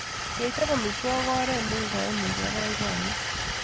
Kechop amitwogik ko oret neikoinigei boiboiyet